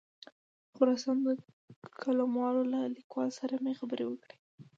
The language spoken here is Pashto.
د خراسان د قلموال له لیکوال سره مې خبرې وکړې.